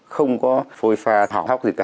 không có phôi pha hỏng hóc gì cả